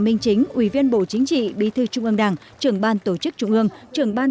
minh chính ủy viên bộ chính trị bí thư trung ương đảng trưởng ban tổ chức trung ương trưởng ban